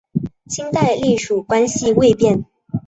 清代隶属关系未变。